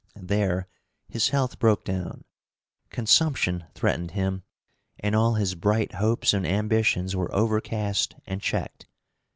There his health broke down. Consumption threatened him, and all his bright hopes and ambitions were overcast and checked.